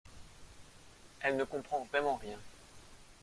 Elle ne comprend vraiment rien!